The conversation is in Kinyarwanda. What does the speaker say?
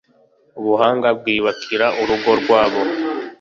Ubuhanga bwiyubakira urugo rwabwo